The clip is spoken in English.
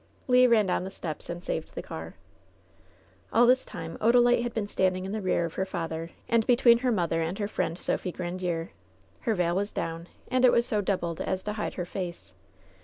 Le ran down the steps, and saved the car. All this time Odalite had been standing in the rear of her father, and between her mother and her friend Sophie Grandiere. Her veil was down, and it was so doubled as to hide her face.